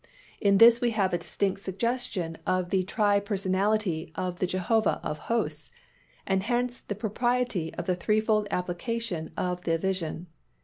In this we have a distinct suggestion of the tri personality of the Jehovah of Hosts, and hence the propriety of the threefold application of the vision.